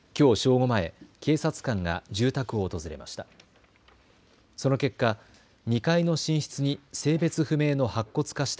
午前、警察官が住宅を訪れました。